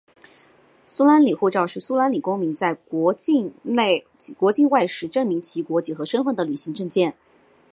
苏里南护照是苏里南公民在国境外时证明其国籍和身份的旅行证件。